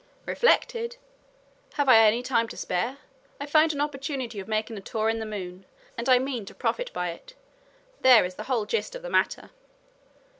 "Reflected? have I any time to spare? I find an opportunity of making a tour in the moon, and I mean to profit by it. There is the whole gist of the matter."